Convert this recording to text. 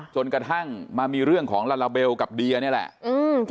จนกระทั่งไม่รู้สิ่งเรื่องหลังจากแลลาเบลค่ะ